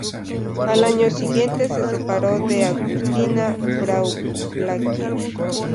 Al año siguiente se separó de Agustina Braun Blaquier.